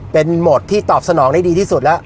เป็นโหมดที่ตอบสนองได้ดีที่สุดแล้ว